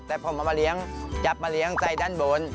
แต่ผมเอามาเลี้ยงจับมาเลี้ยงใส่ด้านบน